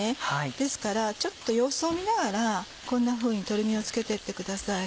ですからちょっと様子を見ながらこんなふうにとろみをつけてってください。